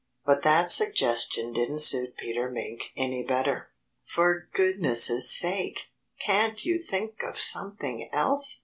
But that suggestion didn't suit Peter Mink any better. "For goodness' sake, can't you think of something else?"